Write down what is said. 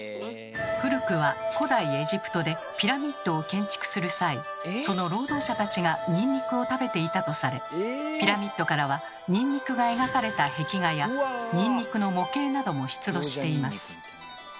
古くは古代エジプトでピラミッドを建築する際その労働者たちがニンニクを食べていたとされピラミッドからはニンニクが描かれた壁画やニンニクの模型なども出土しています。